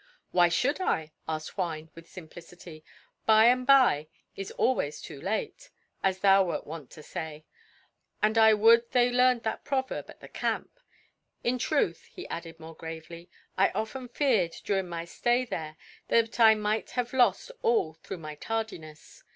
"Why should I?" asked Juan with simplicity. "'By and by is always too late,' as thou wert wont to say; and I would they learned that proverb at the camp. In truth," he added more gravely, "I often feared, during my stay there, that I might have lost all through my tardiness.